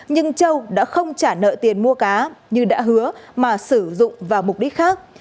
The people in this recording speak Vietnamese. nhưng châu đã không trả nợ tiền mua cá như đã hứa mà sử dụng vào mục đích khác